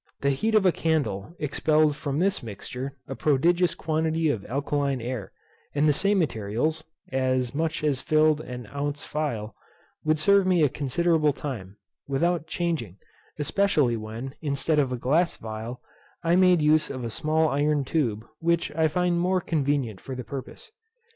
The heat of a candle expelled from this mixture a prodigious quantity of alkaline air; and the same materials (as much as filled an ounce phial) would serve me a considerable time, without changing; especially when, instead of a glass phial, I made use of a small iron tube, which I find much more convenient for the purpose.